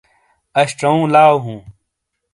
اش چوووں لاؤ ہُوں